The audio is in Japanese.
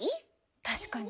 確かに。